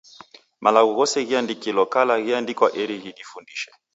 Malagho ghose ghiandikilo kala gheandikwa eri ghidifundishe.